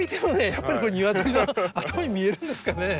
やっぱりこれ鶏の頭に見えるんですかね。